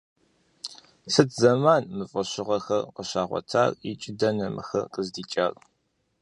Сыт зэман мы фӀэщыгъэхэр щагъуэтар, икӀи дэнэ мыхэр къыздикӀар?